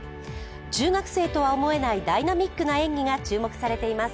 中学生とは思えないダイナミックな演技が注目されています。